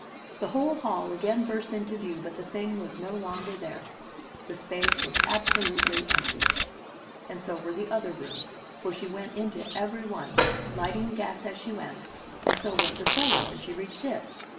The whole hall again burst into view but the thing was no longer there; the space was absolutely empty. And so were the other rooms, for she went into every one, lighting the gas as she went; and so was the cellar when she reached it.